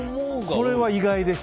これは意外でした。